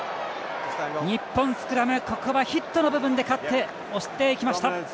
日本、スクラムここはヒットの部分で勝って押していきました。